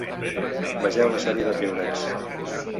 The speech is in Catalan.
Vegeu la sèrie de piulets.